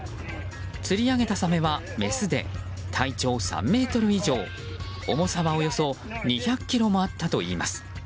釣り上げたサメはメスで体長３ｍ以上重さはおよそ２００ｋｇもあったといいます。